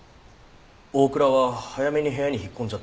大倉は早めに部屋に引っ込んじゃったんで。